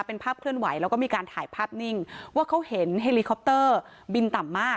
เป็นภาพเคลื่อนไหวแล้วก็มีการถ่ายภาพนิ่งว่าเขาเห็นเฮลิคอปเตอร์บินต่ำมาก